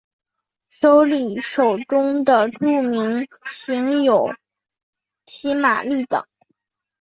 首里手中的著名型有骑马立等。